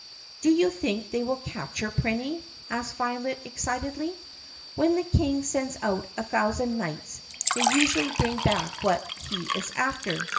" "Do you think they will catch her, Prinny*?" asked Violet excitedly. "When the King sends out a thousand knights they usually bring back what he is after.